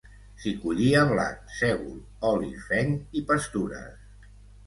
S'hi collia blat, sègol, oli, fenc i pastures.